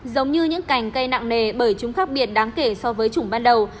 giống như những cành cây nặng nề bởi chúng khác biệt đáng kể so với chủng ban đầu